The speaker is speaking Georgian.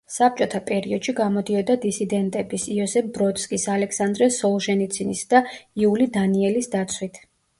საბჭოთა პერიოდში გამოდიოდა დისიდენტების, იოსებ ბროდსკის, ალექსანდრე სოლჟენიცინის და იული დანიელის დაცვით.